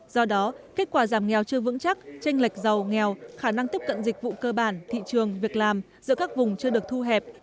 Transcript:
do đó kết quả giảm nghèo chưa vững chắc tranh lệch giàu nghèo khả năng tiếp cận dịch vụ cơ bản thị trường việc làm giữa các vùng chưa được thu hẹp